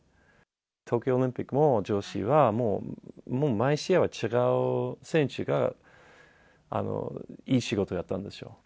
東京オリンピックも、女子はもう、もう毎試合は違う選手がいい仕事やったんですよ。